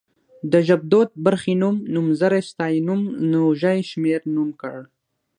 د ژبدود برخې نوم، نومځری ستيانوم ، نوږی شمېرنوم کړ